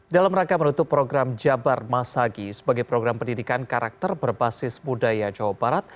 dalam rangka menutup program jabar masagi sebagai program pendidikan karakter berbasis budaya jawa barat